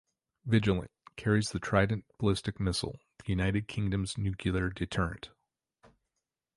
"Vigilant" carries the Trident ballistic missile, the United Kingdom's nuclear deterrent.